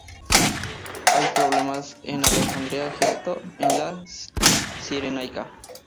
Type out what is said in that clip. Hay problemas en Alejandría, Egipto, en la Cirenaica.